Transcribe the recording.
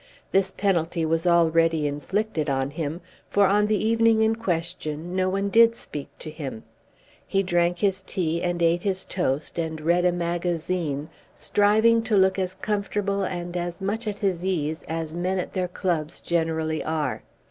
This penalty was already inflicted on him, for on the evening in question no one did speak to him. He drank his tea and ate his toast and read a magazine, striving to look as comfortable and as much at his ease as men at their clubs generally are.